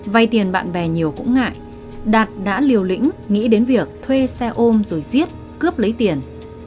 vay tiền bạn bè nhiều cũng ngại đạt đã liều lĩnh nghĩ đến việc thuê xe ôm rồi giết cướp lấy tiền